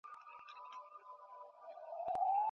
موږ نه شو کولای بې له سرچینو سمه څېړنه وکړو.